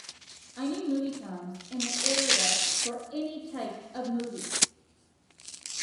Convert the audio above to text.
I need movie times in the area for any type of movies